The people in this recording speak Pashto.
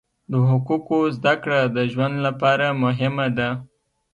د حقوقو زده کړه د ژوند لپاره مهمه ده.